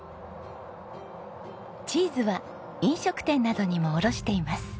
チーズは飲食店などにも卸しています。